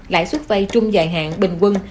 lãi suất vay trung dài hạn bình quân